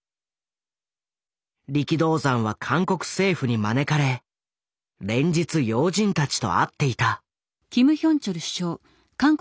力道山は韓国政府に招かれ連日要人たちと会っていた。